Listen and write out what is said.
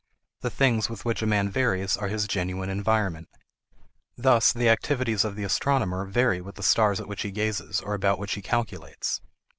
The things with which a man varies are his genuine environment. Thus the activities of the astronomer vary with the stars at which he gazes or about which he calculates.